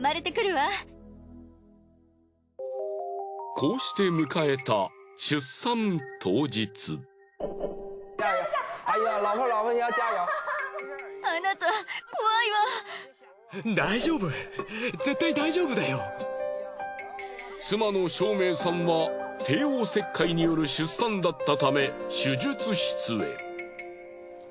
こうして迎えた妻のショウメイさんは帝王切開による出産だったため手術室へ。